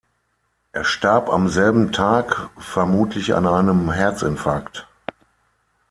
Er starb am selben Tag, vermutlich an einem Herzinfarkt.